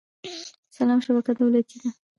سلام شبکه دولتي ده